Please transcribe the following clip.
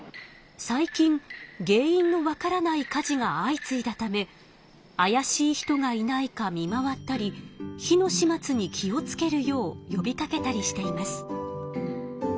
最近原因のわからない火事が相次いだためあやしい人がいないか見回ったり火の始末に気をつけるようよびかけたりしています。